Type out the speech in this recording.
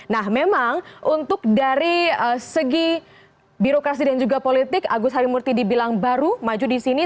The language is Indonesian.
nah memang untuk dari segi birokrasi dan juga politik agus harimurti dibilang baru maju di sini